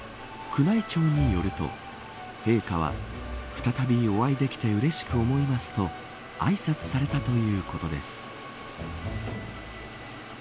宮内庁によると陛下は再びお会いできてうれしく思いますとあいさつされたということです。